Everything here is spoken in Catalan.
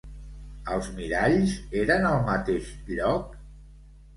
Els miralls eren al mateix lloc?